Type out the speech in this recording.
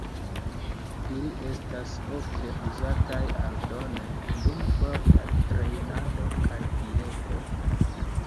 Ili estas ofte uzataj aldone dum forta trejnado kaj dieto.